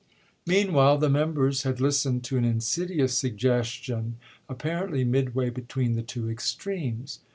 Meanwhile the members had listened to an insidi ous suggestion apparently midway between the two extremes.